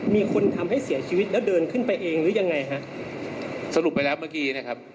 มีคนทำให้เสียชีวิตแล้วเดินขึ้นไปเองหรือยังไงฮะสรุปไปแล้วเมื่อกี้นะครับ